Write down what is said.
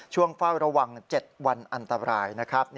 เฝ้าระวัง๗วันอันตรายนะครับ